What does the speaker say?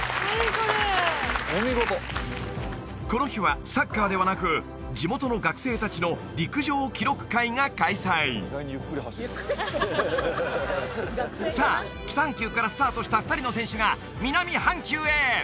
これお見事この日はサッカーではなく地元の学生達の陸上記録会が開催さあ北半球からスタートした２人の選手が南半球へ！